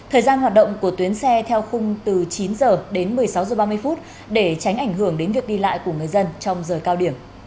hãy đăng ký kênh để nhận thông tin nhất